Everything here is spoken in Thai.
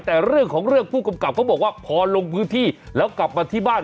แต่เรื่องของเรื่องผู้กำกับเขาบอกว่าพอลงพื้นที่แล้วกลับมาที่บ้าน